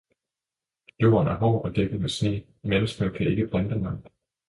Jorden er hård og dækket med sne, menneskene kan ikke plante mig.